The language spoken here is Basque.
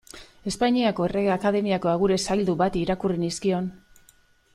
Espainiako Errege Akademiako agure zaildu bati irakurri nizkion.